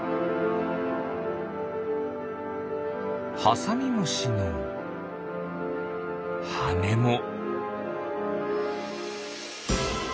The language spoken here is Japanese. ハサミムシのはねも。